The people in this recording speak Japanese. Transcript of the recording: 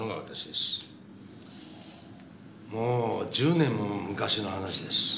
もう１０年も昔の話です。